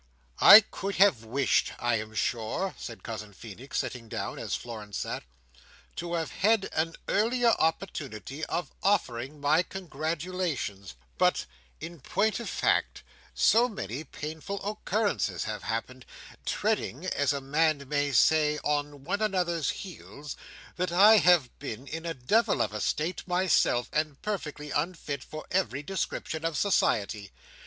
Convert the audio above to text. "I could have wished, I am sure," said Cousin Feenix, sitting down as Florence sat, "to have had an earlier opportunity of offering my congratulations; but, in point of fact, so many painful occurrences have happened, treading, as a man may say, on one another's heels, that I have been in a devil of a state myself, and perfectly unfit for every description of society.